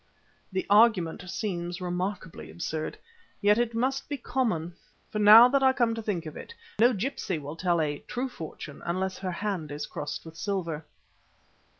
The argument seems remarkably absurd. Yet it must be common, for now that I come to think of it, no gipsy will tell a "true fortune" unless her hand is crossed with silver.